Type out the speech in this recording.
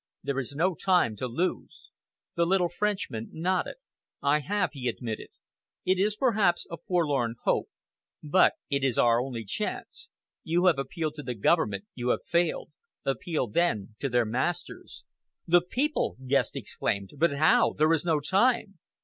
There is no time to lose!" The little Frenchman nodded. "I have," he admitted. "It is, perhaps, a forlorn hope, but it is our only chance. You have appealed to the government you have failed! Appeal, then, to their masters." "The people!" Guest exclaimed. "But how? There is no time!"